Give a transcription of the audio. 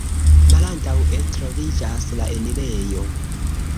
Malantaŭe troviĝas la enirejo.